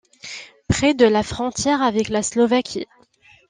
Près de la frontière avec la Slovaquie.